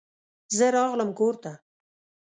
زه راغلم کور ته.